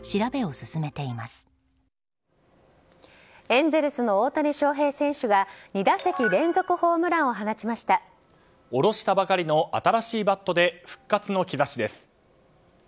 エンゼルスの大谷翔平選手が２打席連続ホームランを下ろしたばかりの新しいバットで復活の兆しです。